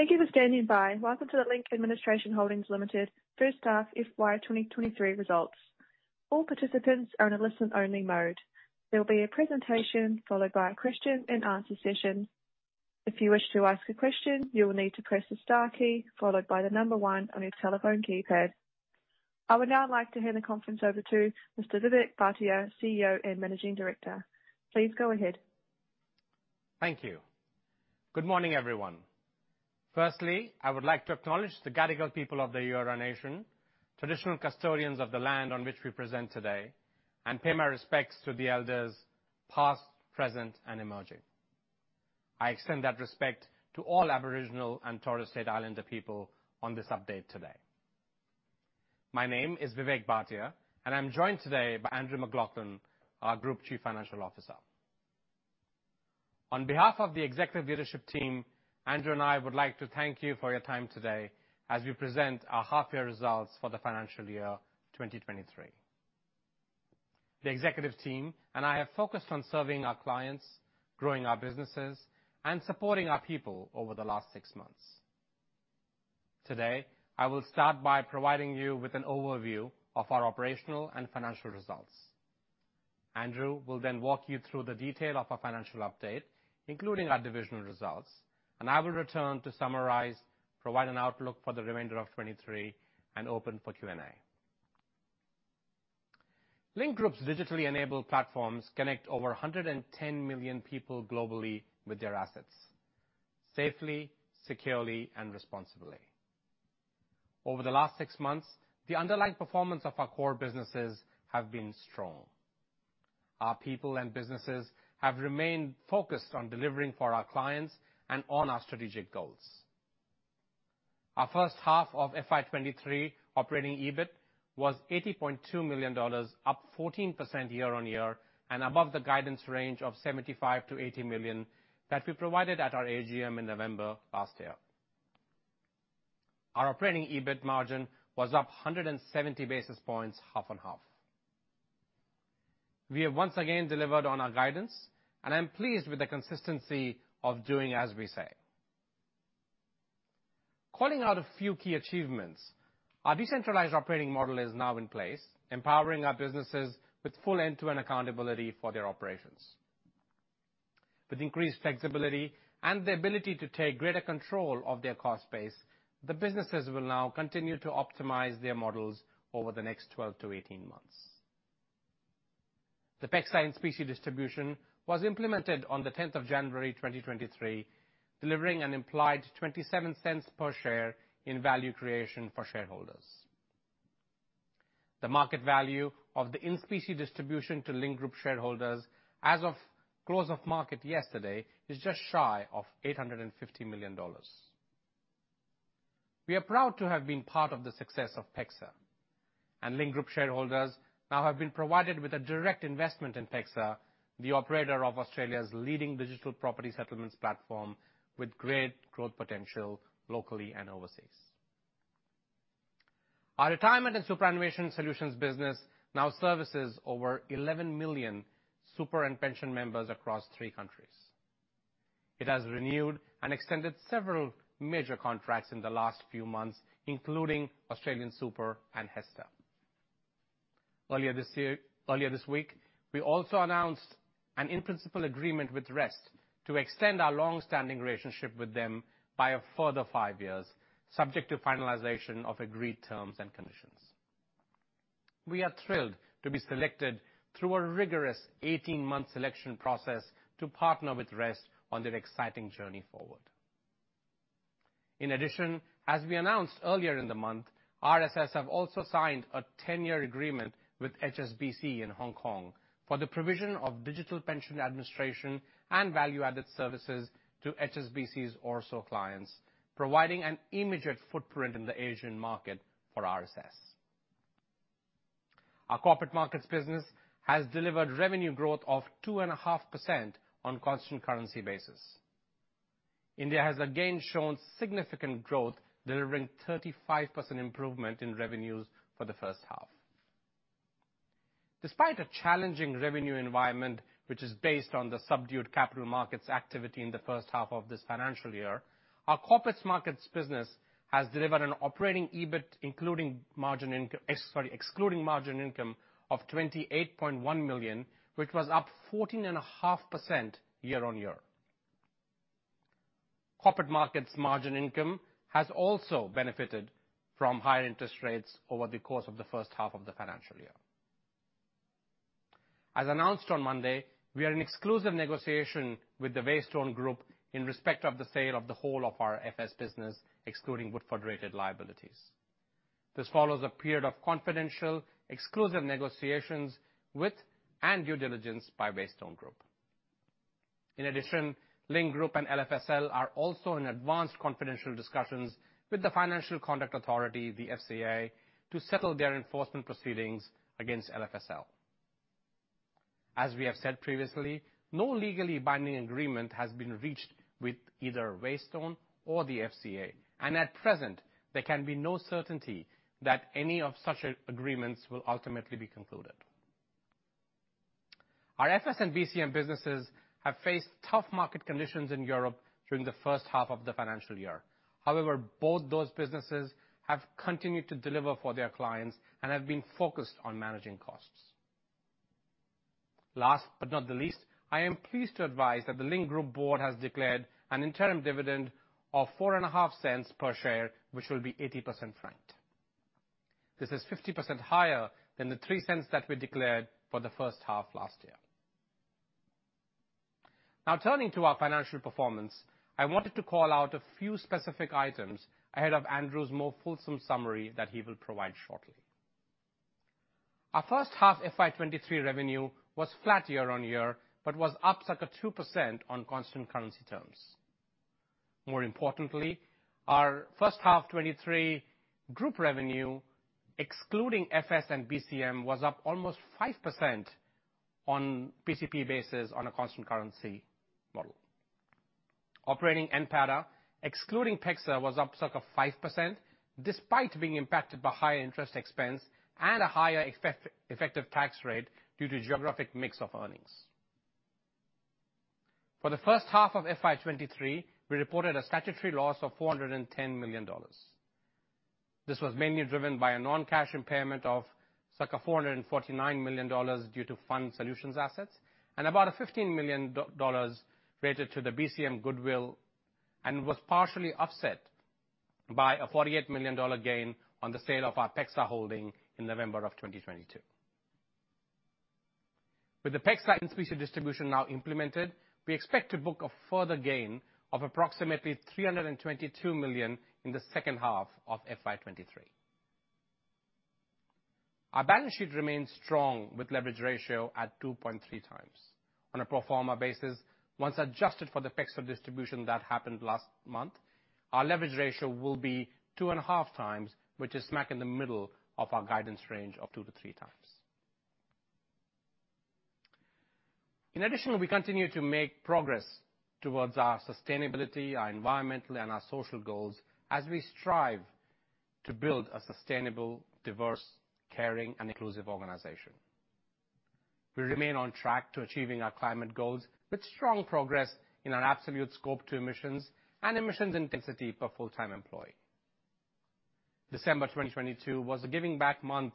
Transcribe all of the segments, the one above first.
Thank you for standing by. Welcome to the Link Administration Holdings Limited first half FY 2023 results. All participants are in a listen-only mode. There will be a presentation followed by a question and answer session. If you wish to ask a question, you will need to press the star key followed by the number one on your telephone keypad. I would now like to hand the conference over to Mr. Vivek Bhatia, CEO and Managing Director. Please go ahead. Thank you. Good morning, everyone. Firstly, I would like to acknowledge the Gadigal people of the Eora Nation, traditional custodians of the land on which we present today, and pay my respects to the elders past, present, and emerging. I extend that respect to all Aboriginal and Torres Strait Islander people on this update today. My name is Vivek Bhatia, and I'm joined today by Andrew Maclachlan, our Group Chief Financial Officer. On behalf of the executive leadership team, Andrew and I would like to thank you for your time today as we present our half year results for the financial year 2023. The executive team and I have focused on serving our clients, growing our businesses, and supporting our people over the last six months. Today, I will start by providing you with an overview of our operational and financial results. Andrew will walk you through the detail of our financial update, including our divisional results, and I will return to summarize, provide an outlook for the remainder of 2023, and open for Q&A. Link Group's digitally enabled platforms connect over 110 million people globally with their assets safely, securely, and responsibly. Over the last 6 months, the underlying performance of our core businesses have been strong. Our people and businesses have remained focused on delivering for our clients and on our strategic goals. Our first half of FY 2023 operating EBIT was 80.2 million dollars, up 14% year-on-year and above the guidance range of 75 million-80 million that we provided at our AGM in November last year. Our operating EBIT margin was up 170 basis points half-on-half. We have once again delivered on our guidance, and I'm pleased with the consistency of doing as we say. Calling out a few key achievements, our decentralized operating model is now in place, empowering our businesses with full end-to-end accountability for their operations. With increased flexibility and the ability to take greater control of their cost base, the businesses will now continue to optimize their models over the next 12 to 18 months. The PEXA in-specie distribution was implemented on the 10th of January 2023, delivering an implied 0.27 per share in value creation for shareholders. The market value of the in-specie distribution to Link Group shareholders as of close of market yesterday is just shy of 850 million dollars. We are proud to have been part of the success of PEXA. Link Group shareholders now have been provided with a direct investment in PEXA, the operator of Australia's leading digital property settlements platform with great growth potential locally and overseas. Our Retirement and Superannuation Solutions business now services over 11 million super and pension members across 3 countries. It has renewed and extended several major contracts in the last few months, including AustralianSuper and HESTA. Earlier this week, we also announced an in-principle agreement with Rest to extend our long-standing relationship with them by a further 5 years, subject to finalization of agreed terms and conditions. We are thrilled to be selected through a rigorous 18-month selection process to partner with Rest on their exciting journey forward. As we announced earlier in the month, RSS have also signed a 10-year agreement with HSBC in Hong Kong for the provision of digital pension administration and value-added services to HSBC's ORSO clients, providing an immediate footprint in the Asian market for RSS. Our Corporate Markets business has delivered revenue growth of 2.5% on constant currency basis. India has again shown significant growth, delivering 35% improvement in revenues for the first half. Despite a challenging revenue environment, which is based on the subdued capital markets activity in the first half of this financial year, our Corporate Markets business has delivered an operating EBIT excluding margin income of 28.1 million, which was up 14.5% year-on-year. Corporate Markets margin income has also benefited from higher interest rates over the course of the first half of the financial year. Announced on Monday, we are in exclusive negotiation with the Waystone Group in respect of the sale of the whole of our FS business, excluding Woodford-related liabilities. This follows a period of confidential, exclusive negotiations with and due diligence by Waystone Group. In addition, Link Group and LFSL are also in advanced confidential discussions with the Financial Conduct Authority, the FCA, to settle their enforcement proceedings against LFSL. We have said previously, no legally binding agreement has been reached with either Waystone or the FCA, at present, there can be no certainty that any of such agreements will ultimately be concluded. Our FS and BCM businesses have faced tough market conditions in Europe during the first half of the financial year. Both those businesses have continued to deliver for their clients, and have been focused on managing costs. Last but not the least, I am pleased to advise that the Link Group board has declared an interim dividend of 0.045 per share, which will be 80% franked. This is 50% higher than the 0.03 that we declared for the first half last year. Turning to our financial performance, I wanted to call out a few specific items ahead of Andrew's more fulsome summary that he will provide shortly. Our first half FY23 revenue was flat year-on-year, but was up circa 2% on constant currency terms. More importantly, our first half 2023 group revenue, excluding FS and BCM, was up almost 5% on PCP basis on a constant currency model. Operating NPATA, excluding PEXA, was up circa 5%, despite being impacted by higher interest expense and a higher effective tax rate due to geographic mix of earnings. For the first half of FY23, we reported a statutory loss of 410 million dollars. This was mainly driven by a non-cash impairment of circa 449 million dollars due to Fund Solutions assets, and about 15 million dollars related to the BCM goodwill, and was partially offset by an 48 million dollar gain on the sale of our PEXA holding in November of 2022. With the PEXA in-specie distribution now implemented, we expect to book a further gain of approximately 322 million in the second half of FY23. Our balance sheet remains strong with leverage ratio at 2.3 times. On a pro forma basis, once adjusted for the PEXA distribution that happened last month, our leverage ratio will be 2.5 times, which is smack in the middle of our guidance range of 2-3 times. In addition, we continue to make progress towards our sustainability, our environmental, and our social goals as we strive to build a sustainable, diverse, caring, and inclusive organization. We remain on track to achieving our climate goals with strong progress in our absolute scope to emissions and emissions intensity per full-time employee. December 2022 was a giving back month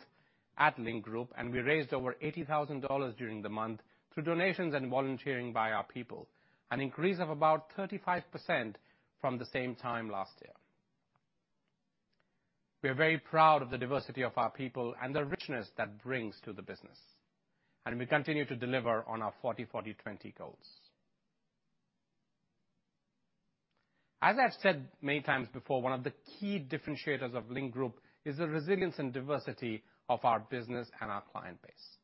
at Link Group, we raised over 80,000 dollars during the month through donations and volunteering by our people, an increase of about 35% from the same time last year. We are very proud of the diversity of our people and the richness that brings to the business, and we continue to deliver on our 40/40/20 goals. As I've said many times before, one of the key differentiators of Link Group is the resilience and diversity of our business and our client base.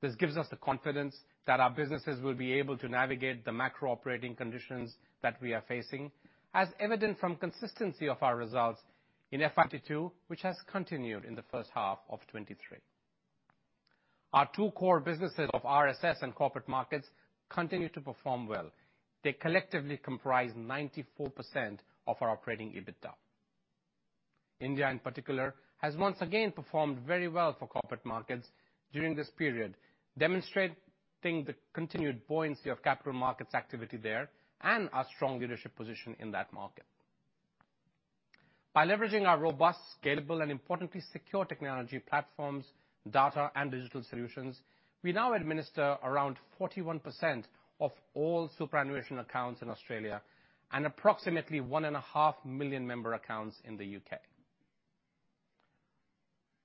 This gives us the confidence that our businesses will be able to navigate the macro-operating conditions that we are facing, as evident from consistency of our results in FY22, which has continued in the first half of 2023. Our two core businesses of RSS and Corporate Markets continue to perform well. They collectively comprise 94% of our operating EBITDA. India in particular has once again performed very well for Corporate Markets during this period, demonstrating the continued buoyancy of capital markets activity there, and our strong leadership position in that market. By leveraging our robust, scalable, and importantly secure technology platforms, data, and digital solutions, we now administer around 41% of all superannuation accounts in Australia and approximately 1.5 million member accounts in the UK.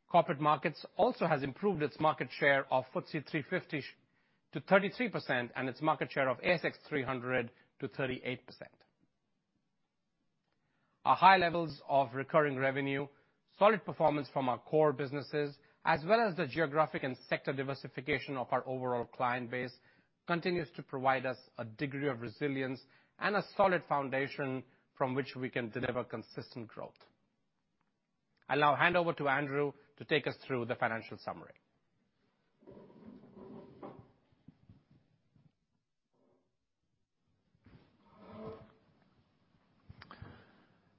Corporate Markets also has improved its market share of FTSE 350 to 33% and its market share of ASX 300 to 38%. Our high levels of recurring revenue, solid performance from our core businesses, as well as the geographic and sector diversification of our overall client base continues to provide us a degree of resilience and a solid foundation from which we can deliver consistent growth. I'll now hand over to Andrew to take us through the financial summary.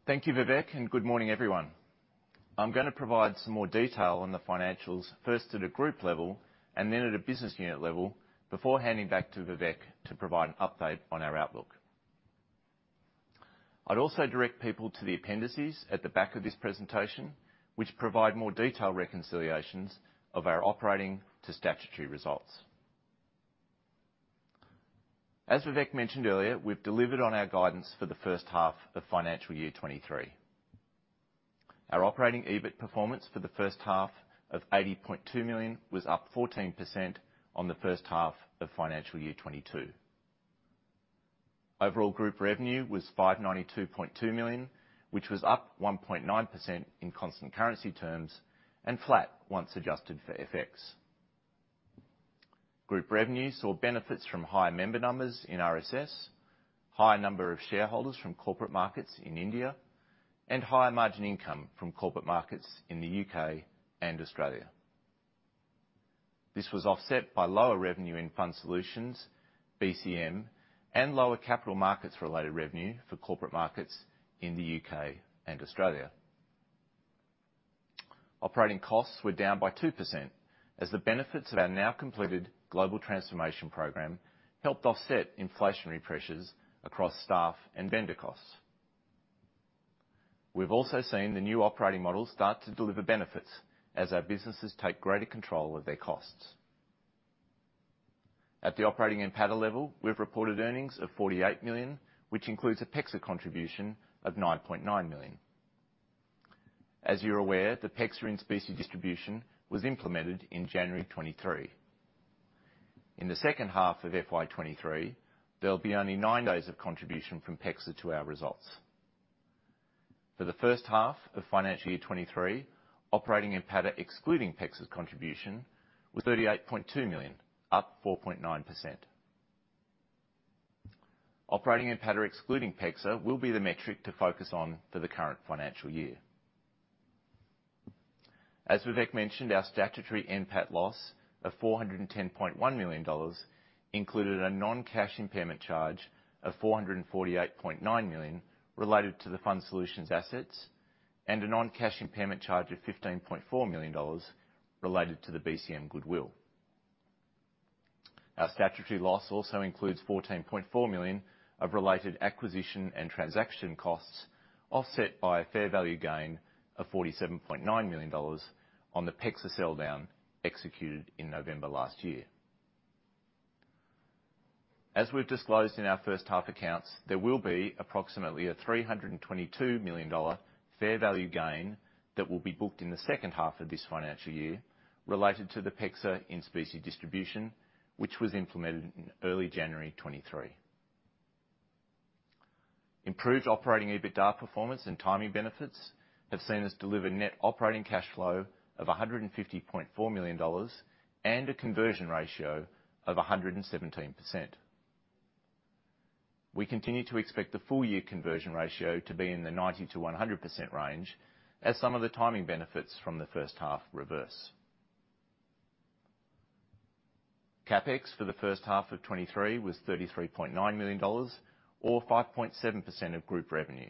Thank you, Vivek. Good morning, everyone. I'm gonna provide some more detail on the financials, 1st at a group level and then at a business unit level before handing back to Vivek to provide an update on our outlook. I'd also direct people to the appendices at the back of this presentation, which provide more detailed reconciliations of our operating to statutory results. As Vivek mentioned earlier, we've delivered on our guidance for the 1st half of financial year 2023. Our operating EBIT performance for the 1st half of 80.2 million was up 14% on the 1st half of financial year 2022. Overall group revenue was 592.2 million, which was up 1.9% in constant currency terms and flat once adjusted for FX. Group revenue saw benefits from higher member numbers in RSS, higher number of shareholders from Corporate Markets in India, and higher margin income from Corporate Markets in the UK and Australia. This was offset by lower revenue in Fund Solutions, BCM, and lower capital markets-related revenue for Corporate Markets in the UK and Australia. Operating costs were down by 2%, as the benefits of our now completed global transformation program helped offset inflationary pressures across staff and vendor costs. We've also seen the new operating model start to deliver benefits as our businesses take greater control of their costs. At the operating NPATA level, we've reported earnings of 48 million, which includes a PEXA contribution of 9.9 million. As you're aware, the PEXA in-specie distribution was implemented in January 2023. In the second half of FY23, there'll be only 9 days of contribution from PEXA to our results. For the first half of financial year 2023, operating NPATA, excluding PEXA's contribution, was 38.2 million, up 4.9%. Operating NPATA excluding PEXA will be the metric to focus on for the current financial year. As Vivek mentioned, our statutory NPAT loss of 410.1 million dollars included a non-cash impairment charge of 448.9 million related to the Fund Solutions assets, and a non-cash impairment charge of 15.4 million dollars related to the BCM goodwill. Our statutory loss also includes 14.4 million of related acquisition and transaction costs, offset by a fair value gain of 47.9 million dollars on the PEXA sell down executed in November last year. As we've disclosed in our first half accounts, there will be approximately an 322 million dollar fair value gain that will be booked in the second half of this financial year related to the PEXA in-specie distribution, which was implemented in early January 2023. Improved operating EBITDA performance and timing benefits have seen us deliver net operating cash flow of 150.4 million dollars, and a conversion ratio of 117%. We continue to expect the full year conversion ratio to be in the 90%-100% range, as some of the timing benefits from the first half reverse. CapEx for the first half of 2023 was 33.9 million dollars, or 5.7% of group revenue.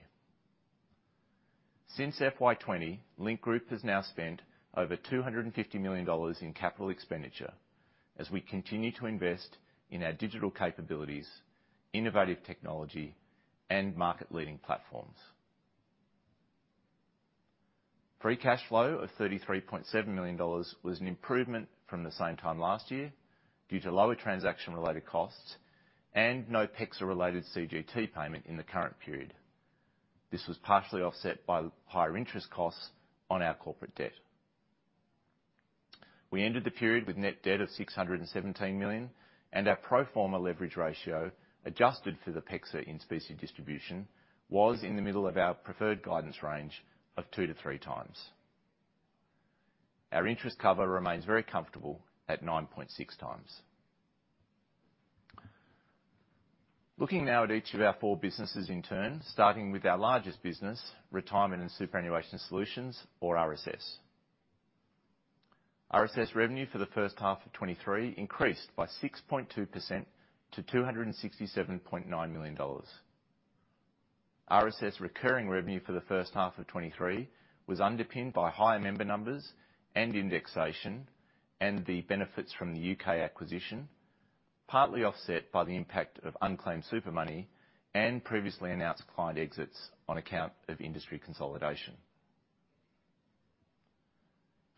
Since FY 2020, Link Group has now spent over 250 million dollars in capital expenditure as we continue to invest in our digital capabilities, innovative technology, and market leading platforms. Free cash flow of 33.7 million dollars was an improvement from the same time last year due to lower transaction-related costs and no PEXA-related CGT payment in the current period. This was partially offset by higher interest costs on our corporate debt. We ended the period with net debt of 617 million, and our pro forma leverage ratio, adjusted for the PEXA in-specie distribution, was in the middle of our preferred guidance range of 2-3 times. Our interest cover remains very comfortable at 9.6 times. Looking now at each of our four businesses in turn, starting with our largest business, Retirement and Superannuation Solutions, or RSS. RSS revenue for the first half of 2023 increased by 6.2% to $267.9 million. RSS recurring revenue for the first half of 2023 was underpinned by higher member numbers and indexation and the benefits from the UK acquisition, partly offset by the impact of unclaimed super money and previously announced client exits on account of industry consolidation.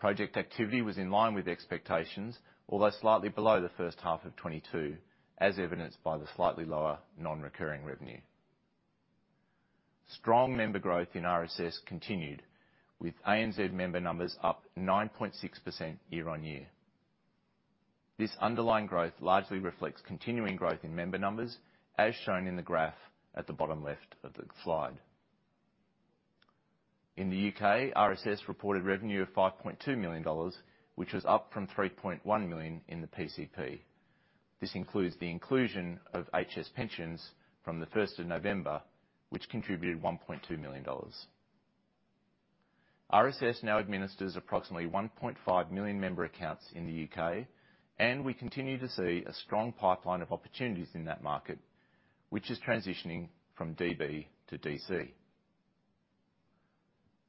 Project activity was in line with expectations, although slightly below the first half of 2022, as evidenced by the slightly lower non-recurring revenue. Strong member growth in RSS continued with ANZ member numbers up 9.6% year-on-year. This underlying growth largely reflects continuing growth in member numbers, as shown in the graph at the bottom left of the slide. In the UK, RSS reported revenue of $5.2 million, which was up from $3.1 million in the PCP. This includes the inclusion of HS Pensions from the first of November, which contributed 1.2 million dollars. RSS now administers approximately 1.5 million member accounts in the UK, and we continue to see a strong pipeline of opportunities in that market, which is transitioning from DB to DC.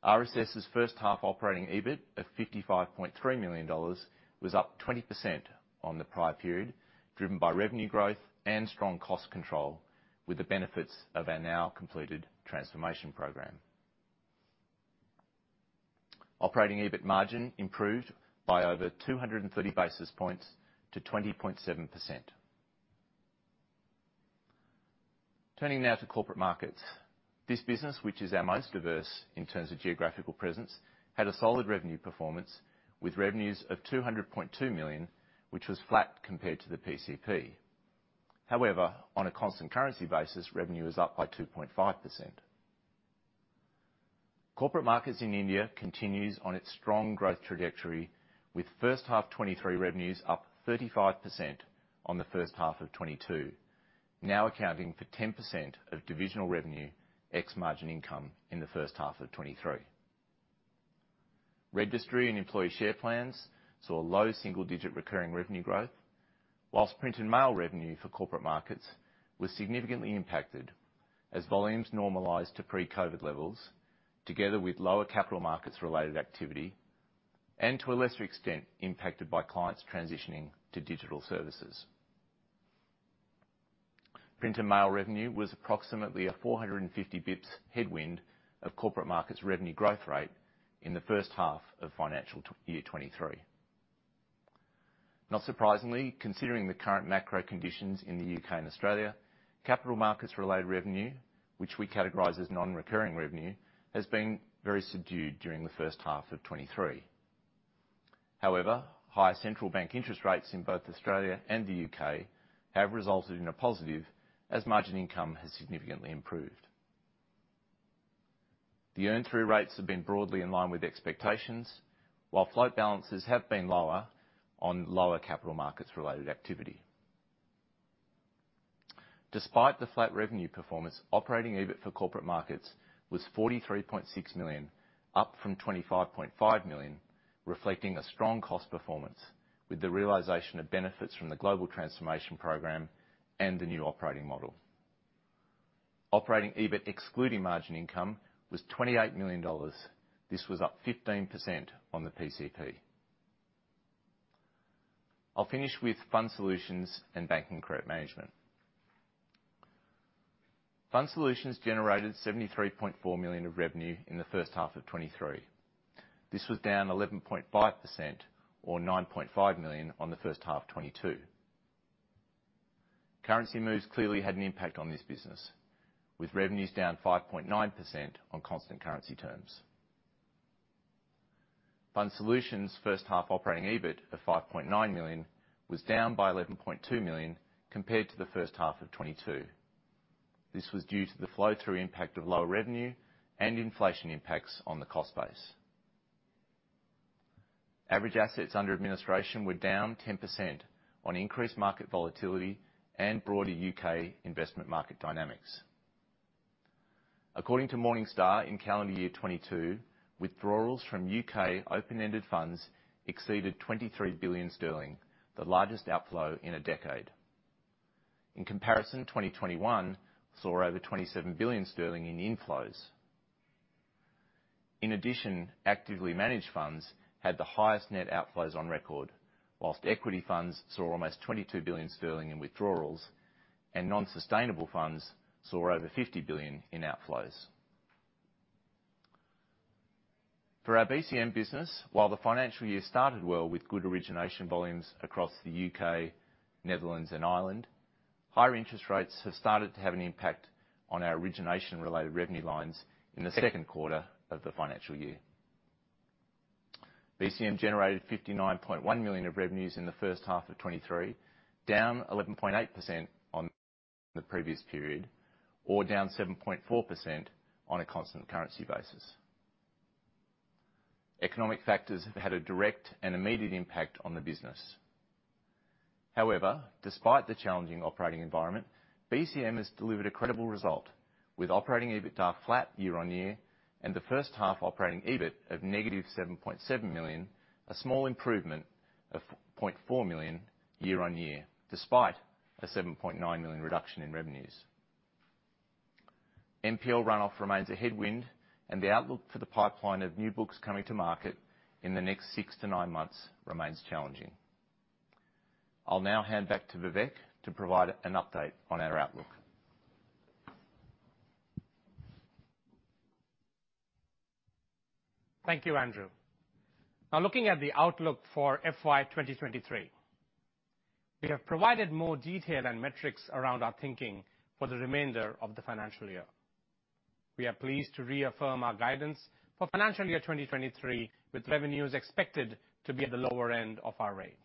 RSS's first half operating EBIT of 55.3 million dollars was up 20% on the prior period, driven by revenue growth and strong cost control, with the benefits of our now completed transformation program. Operating EBIT margin improved by over 230 basis points to 20.7%. Turning now to Corporate Markets. This business, which is our most diverse in terms of geographical presence, had a solid revenue performance, with revenues of 200.2 million, which was flat compared to the PCP. On a constant currency basis, revenue is up by 2.5%. Corporate Markets in India continues on its strong growth trajectory, with first half 2023 revenues up 35% on the first half of 2022. Now accounting for 10% of divisional revenue, ex margin income, in the first half of 2023. Registry and Employee Share Plans saw low single-digit recurring revenue growth. Print and mail revenue for Corporate Markets was significantly impacted as volumes normalized to pre-COVID levels, together with lower capital markets related activity, and to a lesser extent, impacted by clients transitioning to digital services. Print and mail revenue was approximately a 450 basis points headwind of Corporate Markets revenue growth rate in the first half of financial year 2023. Not surprisingly, considering the current macro conditions in the U.K. and Australia, capital markets related revenue, which we categorize as non-recurring revenue, has been very subdued during the first half of 2023. Higher central bank interest rates in both Australia and the U.K. have resulted in a positive as margin income has significantly improved. The earn-through rates have been broadly in line with expectations, while float balances have been lower on lower capital markets related activity. Despite the flat revenue performance, operating EBIT for Corporate Markets was 43.6 million, up from 25.5 million, reflecting a strong cost performance with the realization of benefits from the global transformation program and the new operating model. Operating EBIT excluding margin income was 28 million dollars. This was up 15% on the PCP. I'll finish with Fund Solutions and Banking Credit Management. Fund Solutions generated 73.4 million of revenue in the first half of 2023. This was down 11.5% or 9.5 million on the first half 2022. Currency moves clearly had an impact on this business, with revenues down 5.9% on constant currency terms. Fund Solutions' first half operating EBIT of 5.9 million was down by 11.2 million compared to the first half of 2022. This was due to the flow-through impact of lower revenue and inflation impacts on the cost base. Average assets under administration were down 10% on increased market volatility and broader UK investment market dynamics. According to Morningstar, in calendar year 2022, withdrawals from UK open-ended funds exceeded 23 billion sterling, the largest outflow in a decade. In comparison, 2021 saw over 27 billion sterling in inflows. Actively managed funds had the highest net outflows on record, while equity funds saw almost 22 billion sterling in withdrawals and non-sustainable funds saw over 50 billion in outflows. For our BCM business, while the financial year started well with good origination volumes across the UK, Netherlands, and Ireland, higher interest rates have started to have an impact on our origination related revenue lines in the second quarter of the financial year. BCM generated 59.1 million of revenues in the first half of 2023, down 11.8% on the previous period, or down 7.4% on a constant currency basis. Economic factors have had a direct and immediate impact on the business. Despite the challenging operating environment, BCM has delivered a credible result with operating EBITDA flat year-on-year and the first half operating EBIT of -7.7 million, a small improvement of 0.4 million year-on-year, despite an 7.9 million reduction in revenues. NPL run-off remains a headwind, the outlook for the pipeline of new books coming to market in the next 6 to 9 months remains challenging. I'll now hand back to Vivek to provide an update on our outlook. Thank you, Andrew. Looking at the outlook for FY 2023. We have provided more detail and metrics around our thinking for the remainder of the financial year. We are pleased to reaffirm our guidance for financial year 2023, with revenues expected to be at the lower end of our range.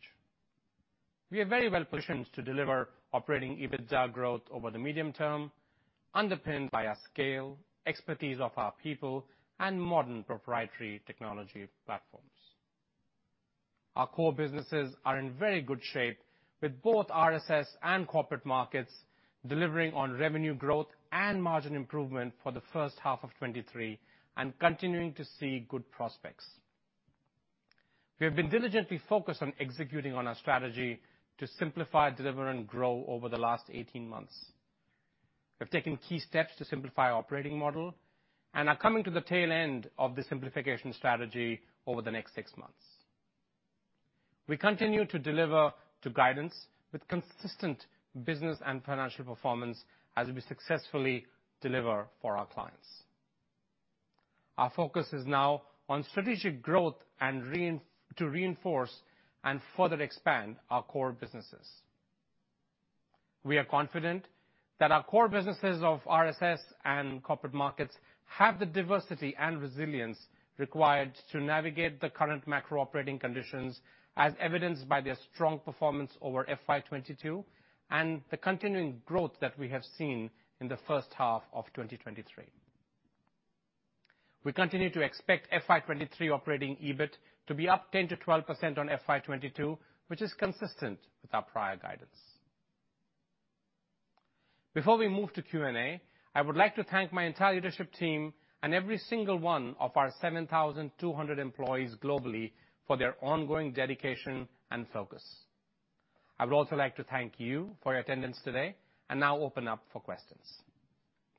We are very well positioned to deliver operating EBITDA growth over the medium term, underpinned by our scale, expertise of our people, and modern proprietary technology platforms. Our core businesses are in very good shape with both RSS and Corporate Markets delivering on revenue growth and margin improvement for the first half of 2023 and continuing to see good prospects. We have been diligently focused on executing on our strategy to simplify, deliver, and grow over the last 18 months. We've taken key steps to simplify operating model and are coming to the tail end of the simplification strategy over the next six months. We continue to deliver to guidance with consistent business and financial performance as we successfully deliver for our clients. Our focus is now on strategic growth to reinforce and further expand our core businesses. We are confident that our core businesses of RSS and Corporate Markets have the diversity and resilience required to navigate the current macro operating conditions, as evidenced by their strong performance over FY 2022 and the continuing growth that we have seen in the first half of 2023. We continue to expect FY 2023 operating EBIT to be up 10%-12% on FY 2022, which is consistent with our prior guidance. Before we move to Q&A, I would like to thank my entire leadership team and every single one of our 7,200 employees globally for their ongoing dedication and focus. I would also like to thank you for your attendance today, and now open up for questions.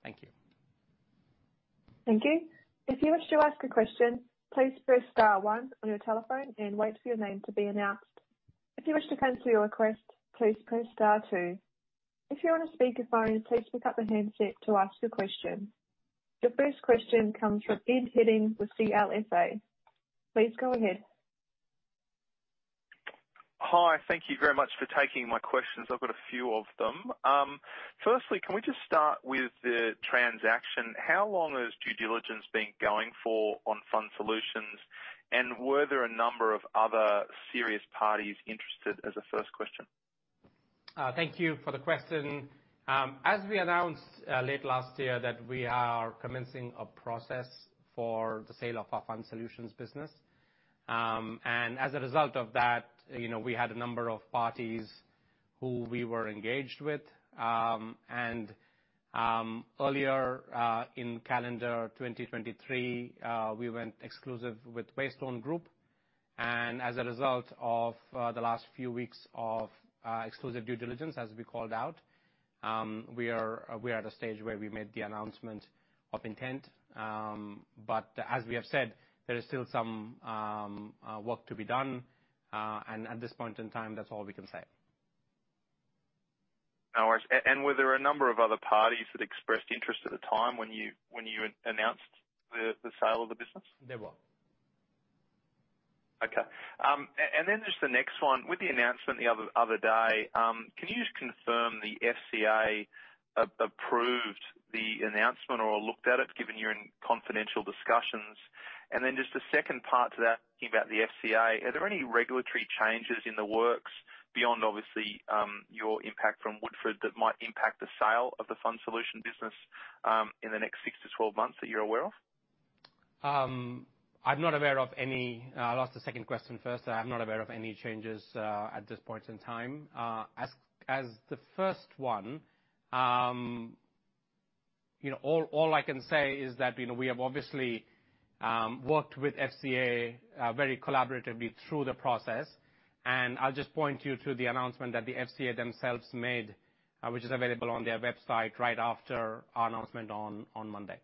Thank you. Thank you. If you wish to ask a question, please press star 1 on your telephone and wait for your name to be announced. If you wish to cancel your request, please press star 2. If you're on a speakerphone, please pick up the handset to ask your question. The first question comes from Ed Henning with CLSA. Please go ahead. Hi. Thank you very much for taking my questions. I've got a few of them. Firstly, can we just start with the transaction? How long has due diligence been going for on Fund Solutions, were there a number of other serious parties interested as a first question? Thank you for the question. As we announced late last year that we are commencing a process for the sale of our Fund Solutions business. As a result of that we had a number of parties who we were engaged with. Earlier in calendar 2023, we went exclusive with Waystone Group, and as a result of the last few weeks of exclusive due diligence, as we called out, we are at a stage where we made the announcement of intent. As we have said, there is still some work to be done, and at this point in time, that's all we can say. No worries. Were there a number of other parties that expressed interest at the time when you, when you announced the sale of the business? There were. Okay. Just the next one. With the announcement the other day, can you just confirm the FCA approved the announcement or looked at it, given you're in confidential discussions? Just the second part to that, thinking about the FCA are there any regulatory changes in the works beyond obviously, your impact from Woodford that might impact the sale of the Fund Solutions business, in the next 6-12 months that you're aware of? I'm not aware of any. I'll answer the second question first. I'm not aware of any changes at this point in time. As the first one all I can say is that we have obviously worked with FCA very collaboratively through the process. I'll just point you to the announcement that the FCA themselves made, which is available on their website right after our announcement on Monday. Okay.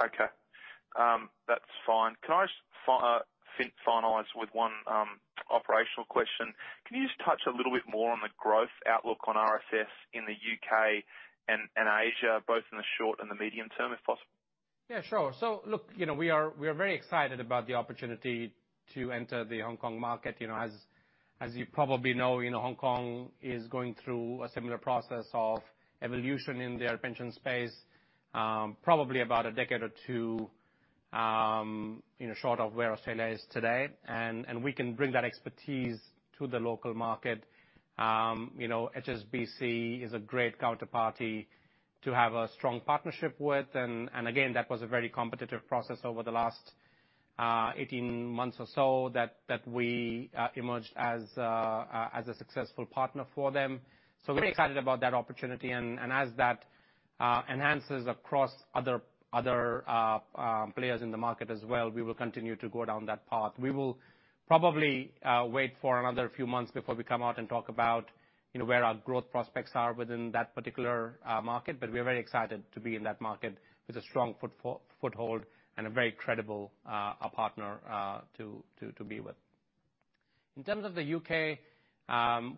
That's fine. Can I just finalize with one operational question? Can you just touch a little bit more on the growth outlook on RFS in the UK and Asia, both in the short and the medium term, if possible? Yeah, sure. look we are very excited about the opportunity to enter the Hong Kong market. You know, as you probably know, Hong Kong is going through a similar process of evolution in their pension space, probably about a decade or two short of where Australia is today. We can bring that expertise to the local market. You know, HSBC is a great counterparty to have a strong partnership with and again, that was a very competitive process over the last 18 months or so that we emerged as a successful partner for them. We're excited about that opportunity. As that enhances across other players in the market as well, we will continue to go down that path. We will probably wait for another few months before we come out and talk about where our growth prospects are within that particular market. We're very excited to be in that market with a strong foothold and a very credible a partner to be with. In terms of the UK,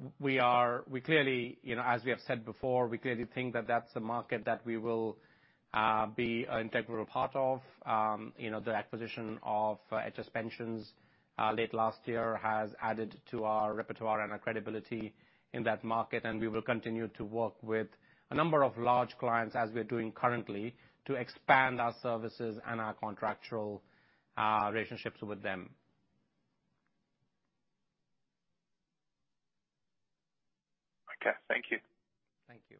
we clearly as we have said before, we clearly think that that's a market that we will be an integral part of. You know, the acquisition of HS Pensions late last year has added to our repertoire and our credibility in that market, and we will continue to work with a number of large clients, as we're doing currently, to expand our services and our contractual relationships with them. Okay. Thank you. Thank you.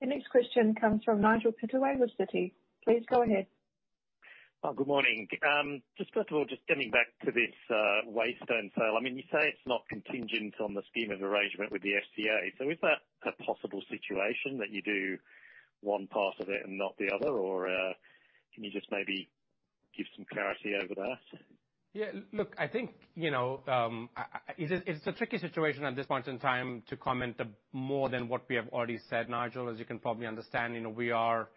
The next question comes from Nigel Pittaway with Citi. Please go ahead. Good morning. Just first of all, just getting back to this Waystone sale. I mean, you say it's not contingent on the scheme of arrangement with the FCA. Is that a possible situation that you do one part of it and not the other? Can you just maybe give some clarity over that? Yeah, look, I think it's a tricky situation at this point in time to comment more than what we have already said, Nigel. As you can probably understand we are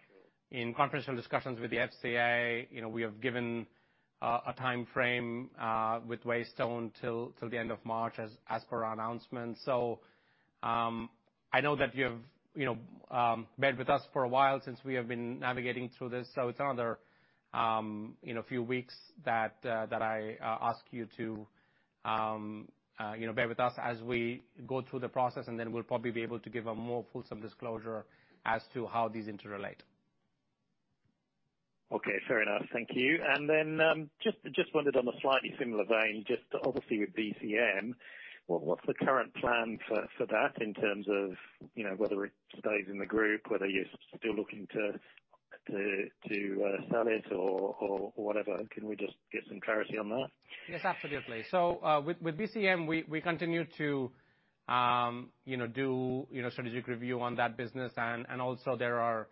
in confidential discussions with the FCA. We have given a timeframe with Waystone till the end of March as per our announcement. I know that you've been with us for a while since we have been navigating through this, so it's another few weeks that I ask you to bear with us as we go through the process, and then we'll probably be able to give a more fulsome disclosure as to how these interrelate. Okay, fair enough. Thank you. Just wondered on a slightly similar vein, just obviously with BCM, what's the current plan for that in terms of whether it stays in the Group, whether you're still looking to sell it or whatever. Can we just get some clarity on that? Yes, absolutely. With BCM, we continue to do strategic review on that business and also there are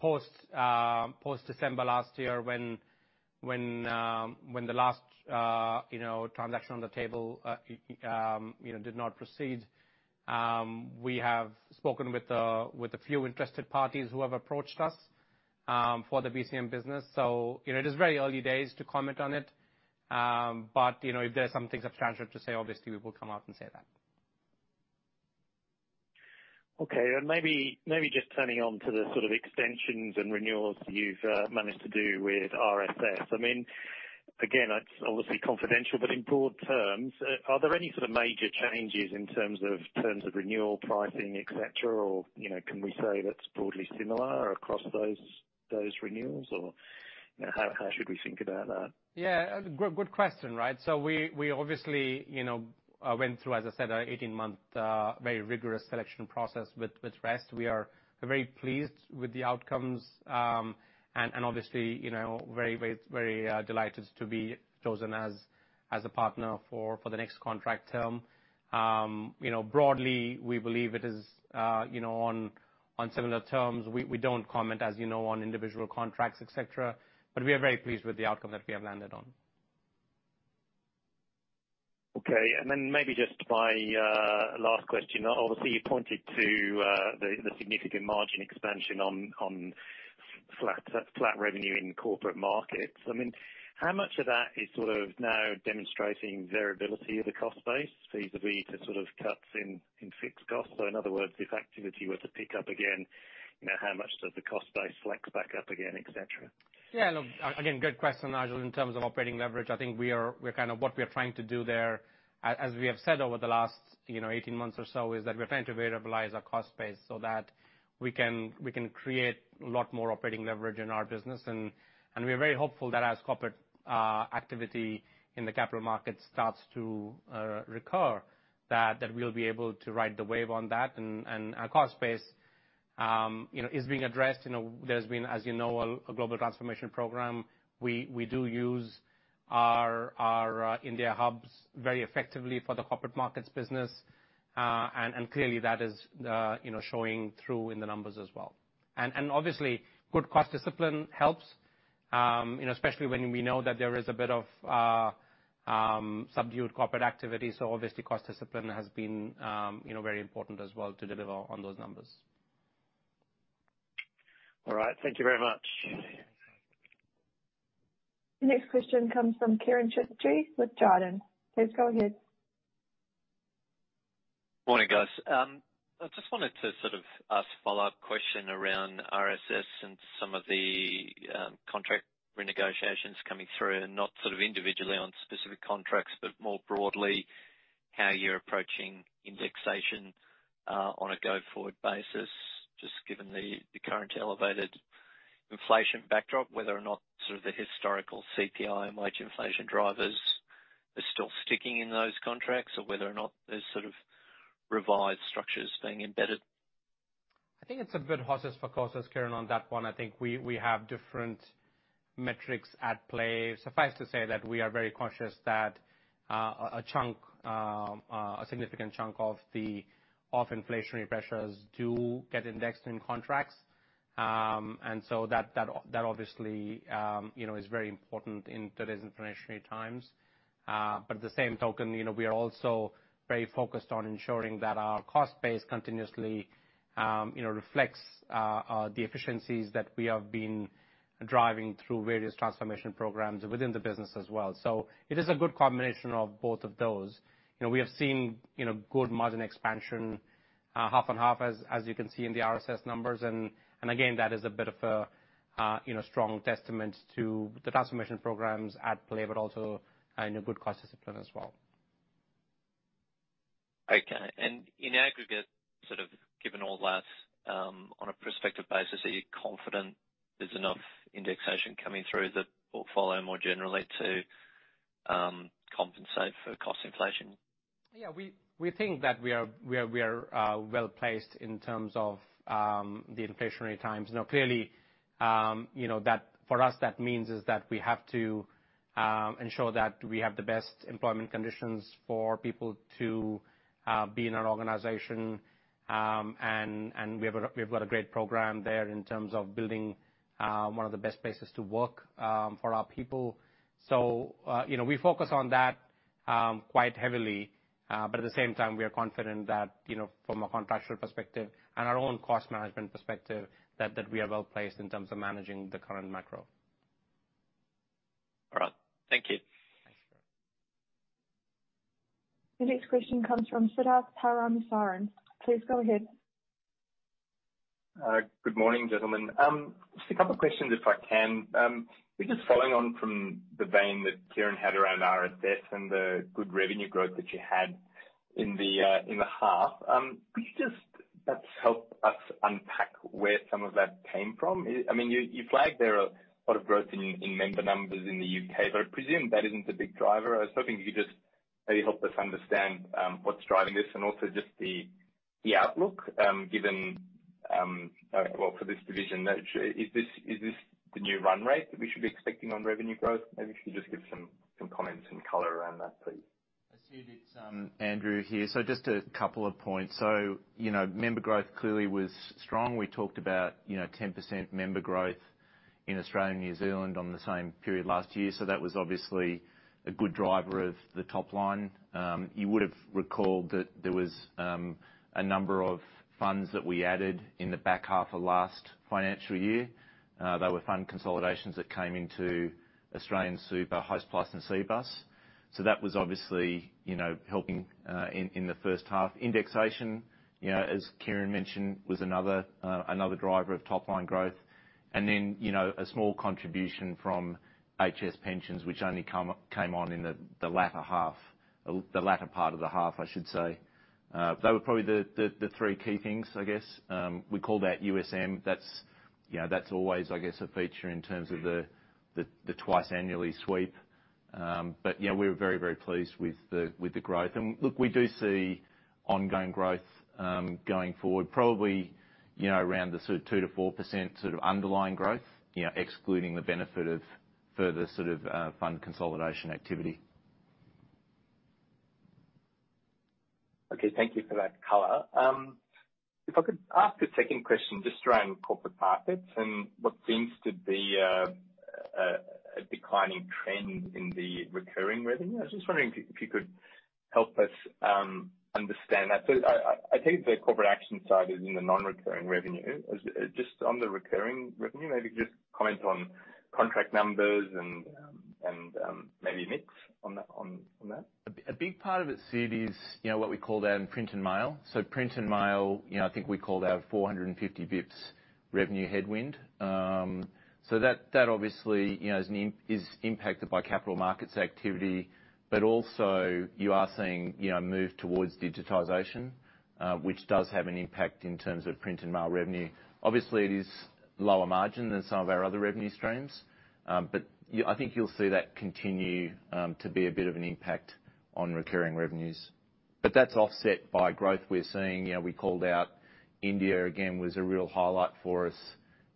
post-December last year when the last transaction on the table did not proceed. We have spoken with a few interested parties who have approached us for the BCM business. You know, it is very early days to comment on it. You know, if there's something substantial to say, obviously we will come out and say that. Okay. Maybe just turning on to the sort of extensions and renewals you've managed to do with RSS. I mean, again, it's obviously confidential, but in broad terms, are there any sort of major changes in terms of renewal pricing, et cetera? or can we say that's broadly similar across those renewals or how should we think about that? Yeah, good question, right. We obviously went through, as I said, an 18-month very rigorous selection process with Rest. We are very pleased with the outcomes, and obviously very, very, very delighted to be chosen as a partner for the next contract term. You know, broadly, we believe it is on similar terms. We don't comment, as you know, on individual contracts, et cetera, but we are very pleased with the outcome that we have landed on. Then maybe just my last question. Obviously, you pointed to the significant margin expansion on flat revenue in Corporate Markets. I mean, how much of that is sort of now demonstrating variability of the cost base, feasibility to sort of cuts in fixed costs? In other words, if activity were to pick up again how much does the cost base flex back up again, et cetera? Yeah, look, again, good question, Nigel. In terms of operating leverage, I think we're kind of what we are trying to do there, as we have said over the last 18 months or so, is that we're trying to variabilize our cost base so that we can create a lot more operating leverage in our business. We are very hopeful that as corporate activity in the capital markets starts to recur, that we'll be able to ride the wave on that. Our cost base is being addressed. You know, there's been, as you know, a Global Transformation Program. We do use our India hubs very effectively for the Corporate Markets business. Clearly that is showing through in the numbers as well. Obviously, good cost discipline helps especially when we know that there is a bit of subdued corporate activity. Obviously, cost discipline has been very important as well to deliver on those numbers. All right. Thank you very much. The next question comes from Kieran Chidgey with Jarden. Please go ahead. Morning, guys. I just wanted to sort of ask a follow-up question around RSS and some of the contract renegotiations coming through, and not sort of individually on specific contracts, but more broadly, how you're approaching indexation on a go-forward basis, just given the current elevated inflation backdrop, whether or not sort of the historical CPI and wage inflation drivers are still sticking in those contracts or whether or not there's sort of revised structures being embedded. I think it's a bit horses for courses, Kieran, on that one. I think we have different metrics at play. Suffice to say that we are very conscious that a chunk, a significant chunk of inflationary pressures do get indexed in contracts. That obviously is very important in today's inflationary times. At the same token we are also very focused on ensuring that our cost base continuously reflects the efficiencies that we have been driving through various transformation programs within the business as well. It is a good combination of both of those. You know, we have seen good margin expansion half on half as you can see in the RSS numbers. Again, that is a bit of a strong testament to the transformation programs at play, but also good cost discipline as well. Okay. In aggregate, sort of given all that, on a prospective basis, are you confident there's enough indexation coming through the portfolio more generally to compensate for cost inflation? Yeah. We think that we are well-placed in terms of the inflationary times. clearly that for us, that means is that we have to ensure that we have the best employment conditions for people to be in our organization. We have a, we've got a great program there in terms of building one of the best places to work for our people. You know, we focus on that quite heavily, but at the same time, we are confident that from a contractual perspective and our own cost management perspective, that we are well-placed in terms of managing the current macro. All right. Thank you. Thanks. The next question comes from Siddharth Parameswaran with JPMorgan. Please go ahead. Good morning, gentlemen. Just a couple of questions, if I can. Just following on from the vein that Kieran had around RSS and the good revenue growth that you had in the half, could you just perhaps help us unpack where some of that came from? You, you flagged there a lot of growth in member numbers in the UK, but I presume that isn't a big driver. I was hoping you could just maybe help us understand what's driving this and also just the outlook, given, well, for this division, that is this the new run rate that we should be expecting on revenue growth? Maybe if you could just give some comments and color around that, please. Sid, it's Andrew here. Just a couple of points. You know, member growth clearly was strong. We talked about 10% member growth in Australia and New Zealand on the same period last year. That was obviously a good driver of the top line. You would have recalled that there was a number of funds that we added in the back half of last financial year. They were fund consolidations that came into AustralianSuper, Hostplus and Cbus. That was obviously helping in the first half. indexation as Kieran mentioned, was another driver of top line growth. then a small contribution from HS Pensions, which only came on in the latter part of the half, I should say. They were probably the three key things, I guess. We call that USM. that's that's always, I guess, a feature in terms of the twice annually sweep. Yeah, we're very pleased with the growth. Look, we do see ongoing growth going forward, probably around the sort of 2%-4% sort of underlying growth excluding the benefit of further sort of fund consolidation activity. Okay. Thank you for that color. If I could ask a second question just around corporate profits and what seems to be a declining trend in the recurring revenue. I was just wondering if you could help us understand that. I take the corporate action side is in the non-recurring revenue. Is just on the recurring revenue, maybe just comment on contract numbers and maybe mix on that, on that. A big part of it, Sid, is what we call that in print and mail. Print and mail I think we called out 450 basis points revenue headwind. That obviously is impacted by capital markets activity. Also, you are seeing move towards digitization, which does have an impact in terms of print and mail revenue. Obviously, it is lower margin than some of our other revenue streams. I think you'll see that continue to be a bit of an impact on recurring revenues. That's offset by growth we're seeing. You know, we called out India again, was a real highlight for us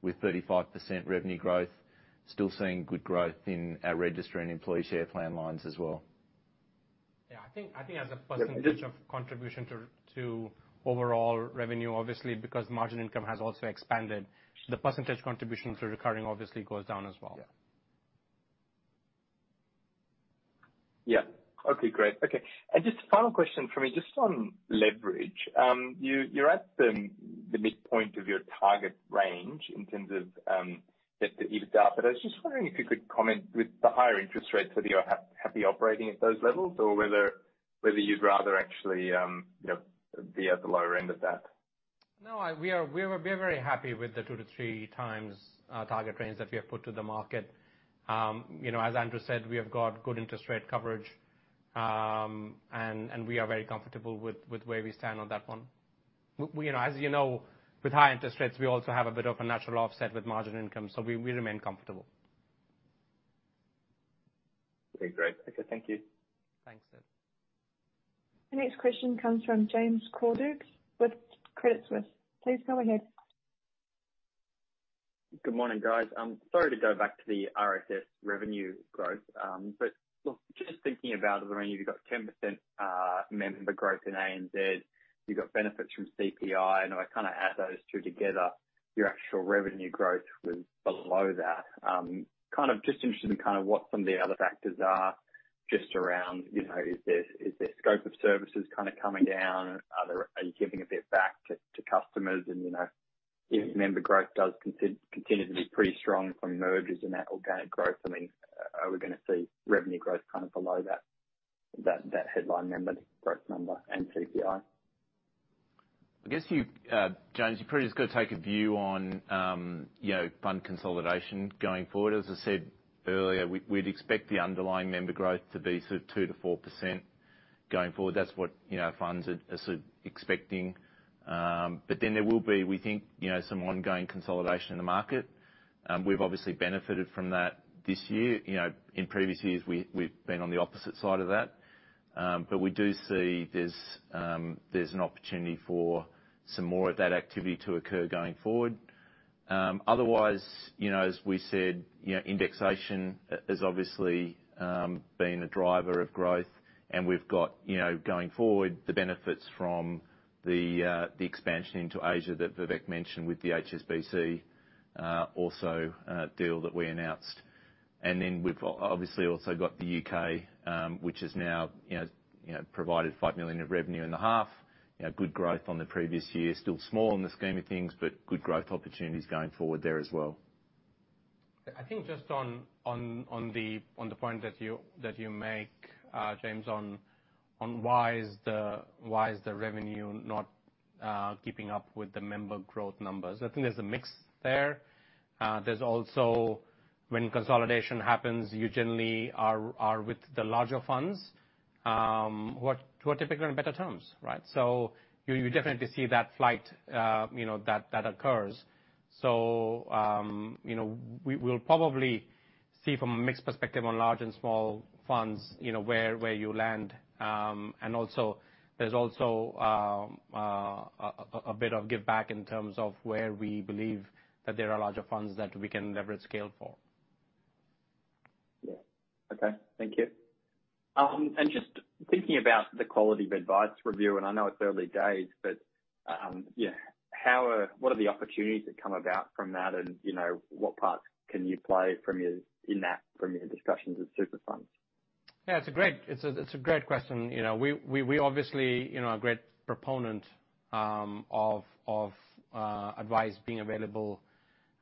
with 35% revenue growth. Still seeing good growth in our registry and Employee Share Plan lines as well. Yeah, I think as a % of contribution to overall revenue, obviously, because margin income has also expanded, the % contribution to recurring obviously goes down as well. Yeah. Yeah. Okay, great. Okay. Just final question for me, just on leverage. You're at the midpoint of your target range in terms of debt-to-EBITDA, but I was just wondering if you could comment with the higher interest rates, whether you're happy operating at those levels or whether you'd rather actually be at the lower end of that. We are very happy with the 2-3x target range that we have put to the market. You know, as Andrew said, we have got good interest rate coverage, and we are very comfortable with where we stand on that one. You know, as you know, with high interest rates, we also have a bit of a natural offset with margin income, so we remain comfortable. Okay, great. Okay, thank you. Thanks, Sid. The next question comes from James Cordukes with Credit Suisse. Please go ahead. Good morning, guys. Sorry to go back to the RFS revenue growth. Look, just thinking about it, I mean, you've got 10% member growth in ANZ. You've got benefits from CPI, and I kind of add those two together, your actual revenue growth was below that. Kind of just interested in kind of what some of the other factors are just around is there scope of services kind of coming down? Are you giving a bit back to customers? You know, if member growth does continue to be pretty strong from mergers and that organic growth, I mean, are we gonna see revenue growth kind of below that headline member growth number and CPI? I guess you, James, you probably just gotta take a view on fund consolidation going forward. I said earlier, we'd expect the underlying member growth to be sort of 2%-4% going forward. That's what funds are sort of expecting. There will be, we think some ongoing consolidation in the market. We've obviously benefited from that this year. You know, in previous years, we've been on the opposite side of that. We do see there's an opportunity for some more of that activity to occur going forward. otherwise as we said indexation has obviously been a driver of growth. We've got going forward, the benefits from the expansion into Asia that Vivek mentioned with the HSBC also deal that we announced. We've obviously also got the U.K., which has now provided 5 million of revenue in the half. You know, good growth on the previous year. Still small in the scheme of things, but good growth opportunities going forward there as well. I think just on the point that you make, James, on why is the revenue not keeping up with the member growth numbers? I think there's a mix there. There's also when consolidation happens, you generally are with the larger funds, who are typically on better terms, right? You definitely see that flight that occurs. We'll probably see from a mixed perspective on large and small funds where you land. Also, there's also a bit of give back in terms of where we believe that there are larger funds that we can leverage scale for. Yeah. Okay. Thank you. Just thinking about the Quality of Advice Review, and I know it's early days, but, what are the opportunities that come about from that and what parts can you play in that, from your discussions with super funds? Yeah. It's a great, it's a great question. You know, we obviously are a great proponent of advice being available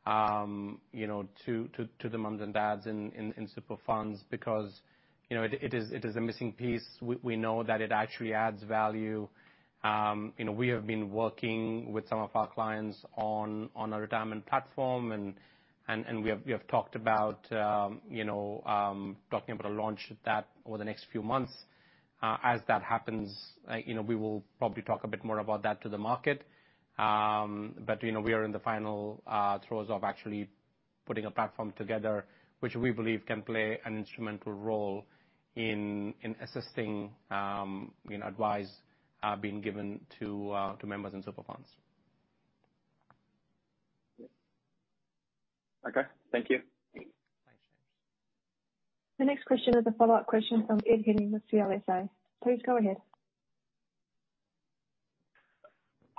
to the moms and dads in super funds because it is a missing piece. We know that it actually adds value. We have been working with some of our clients on a retirement platform and we have talked about talking about a launch that over the next few months. As that happens we will probably talk a bit more about that to the market. You know, we are in the final throes of actually putting a platform together, which we believe can play an instrumental role in assisting advice being given to members in super funds. Okay. Thank you. Thanks. The next question is a follow-up question from Ed Henning with CLSA. Please go ahead.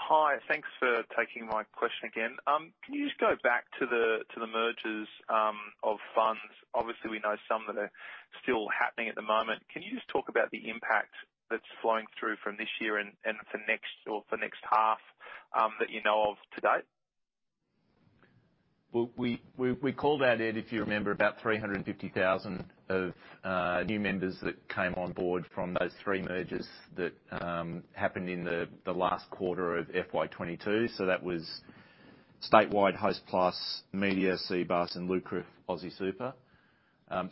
Hi. Thanks for taking my question again. Can you just go back to the, to the mergers of funds? Obviously, we know some that are still happening at the moment. Can you just talk about the impact that's flowing through from this year and for next or for next half, that you know of to date? we called out, Ed, if you remember, about 350,000 of new members that came on board from those 3 mergers that happened in the last quarter of FY22. That was Statewide Hostplus, Media Super, and LUCRF AustralianSuper.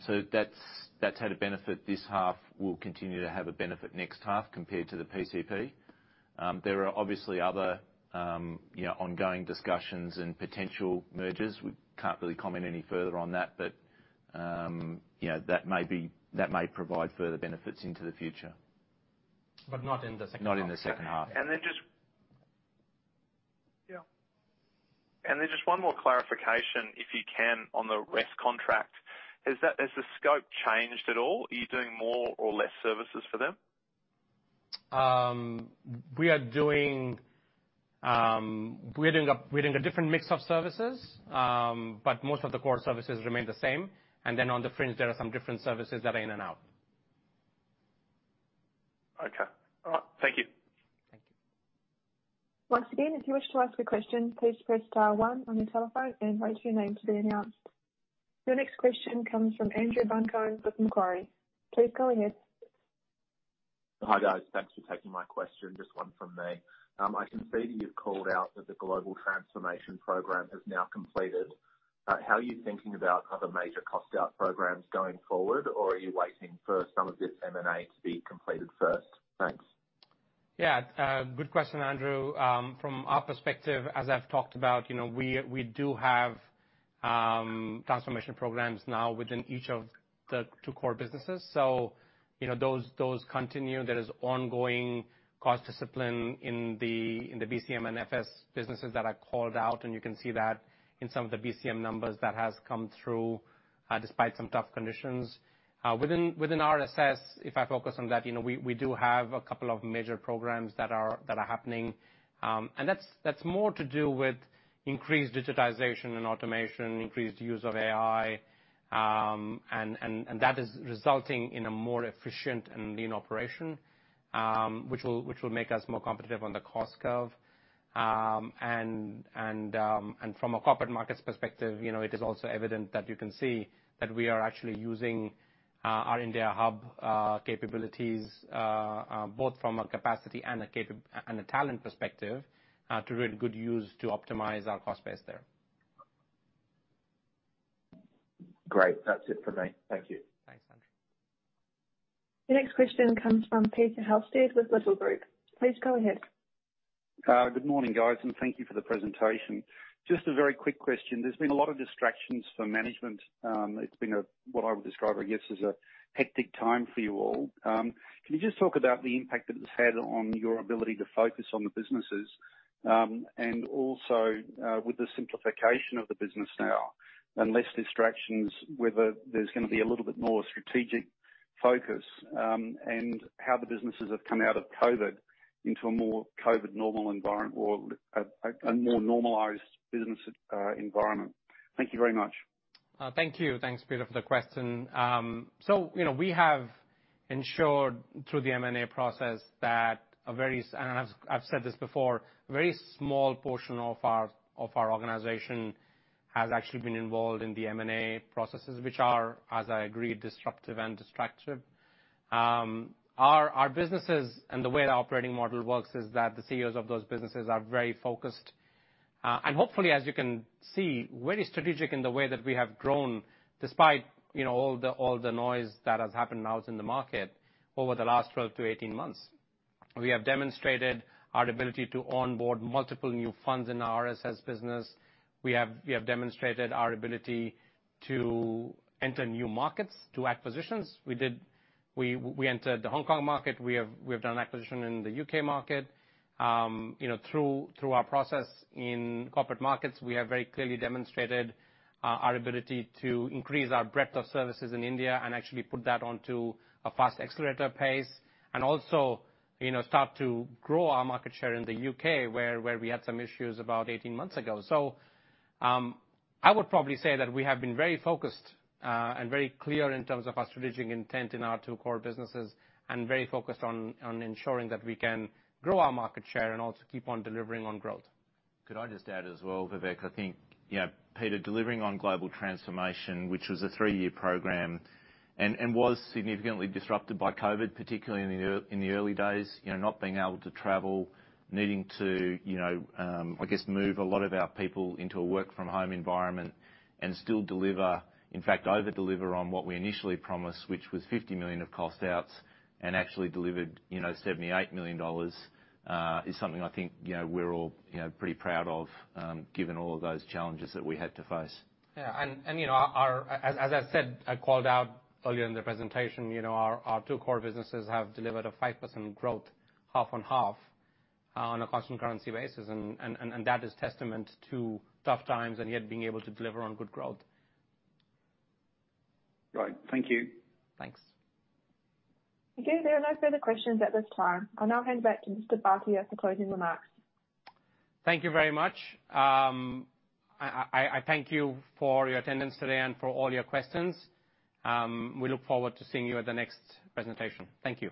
So that's had a benefit this half, will continue to have a benefit next half compared to the PCP. There are obviously other ongoing discussions and potential mergers. We can't really comment any further on that, but that may provide further benefits into the future. Not in the second half. Not in the second half. And then just- Yeah. Just one more clarification, if you can, on the Rest contract. Has the scope changed at all? Are you doing more or less services for them? We're doing a different mix of services. Most of the core services remain the same. On the fringe, there are some different services that are in and out. Okay. All right. Thank you. Thank you. Once again, if you wish to ask a question, please press star 1 on your telephone and wait for your name to be announced. Your next question comes from Andrew Buncombe with Macquarie. Please go ahead. Hi, guys. Thanks for taking my question. Just one from me. I can see that you've called out that the global transformation program has now completed. How are you thinking about other major cost out programs going forward, or are you waiting for some of this M&A to be completed first? Thanks. Yeah. Good question, Andrew. From our perspective, as I've talked about we do have transformation programs now within each of the two core businesses. Those continue. There is ongoing cost discipline in the BCM and FS businesses that I called out, and you can see that in some of the BCM numbers that has come through, despite some tough conditions. Within RSS, if I focus on that we do have a couple of major programs that are happening. And that's more to do with increased digitization and automation, increased use of AI, and that is resulting in a more efficient and lean operation, which will make us more competitive on the cost curve. From a Corporate Markets perspective it is also evident that you can see that we are actually using our India hub capabilities both from a capacity and a talent perspective to really good use to optimize our cost base there. Great. That's it for me. Thank you. Thanks, Andrew. The next question comes from Peter Lyttle with Lyttle Group. Please go ahead. Good morning, guys, and thank you for the presentation. Just a very quick question. There's been a lot of distractions for management. It's been a, what I would describe, I guess, as a hectic time for you all. Can you just talk about the impact that it's had on your ability to focus on the businesses, and also, with the simplification of the business now and less distractions, whether there's gonna be a little bit more strategic focus, and how the businesses have come out of COVID into a more COVID normal environment or a more normalized business environment? Thank you very much. Thank you. Thanks, Peter, for the question. You know, we have ensured through the M&A process that I've said this before, a very small portion of our organization has actually been involved in the M&A processes, which are, as I agreed, disruptive and distractive. Our businesses and the way the operating model works is that the CEOs of those businesses are very focused, and hopefully, as you can see, very strategic in the way that we have grown, despite all the, all the noise that has happened now in the market over the last 12 to 18 months. We have demonstrated our ability to onboard multiple new funds in our RSS business. We have demonstrated our ability to enter new markets through acquisitions. We entered the Hong Kong market. We have done acquisition in the UK market. You know, through our process in Corporate Markets, we have very clearly demonstrated our ability to increase our breadth of services in India and actually put that onto a fast accelerator pace start to grow our market share in the UK where we had some issues about 18 months ago. I would probably say that we have been very focused and very clear in terms of our strategic intent in our two core businesses, and very focused on ensuring that we can grow our market share and also keep on delivering on growth. Could I just add as well, Vivek? I think, yeah, Peter delivering on global transformation, which was a three-year program, and was significantly disrupted by COVID, particularly in the early days. Not being able to travel, needing to I guess, move a lot of our people into a work from home environment and still deliver, in fact, over-deliver on what we initially promised, which was 50 million of cost outs and actually delivered 78 million dollars, is something I think we're all pretty proud of, given all of those challenges that we had to face. You know, our as I said, I called out earlier in the presentation our two core businesses have delivered a 5% growth, half on half, on a constant currency basis. That is testament to tough times and yet being able to deliver on good growth. Right. Thank you. Thanks. Okay. There are no further questions at this time. I'll now hand back to Mr. Bhatia for closing remarks. Thank you very much. I thank you for your attendance today and for all your questions. We look forward to seeing you at the next presentation. Thank you.